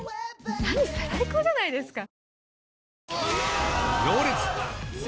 何それ最高じゃないですか！